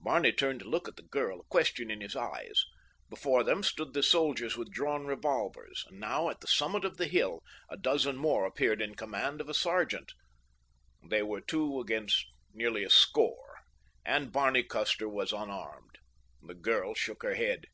Barney turned to look at the girl, a question in his eyes. Before them stood the soldiers with drawn revolvers, and now at the summit of the hill a dozen more appeared in command of a sergeant. They were two against nearly a score, and Barney Custer was unarmed. The girl shook her head.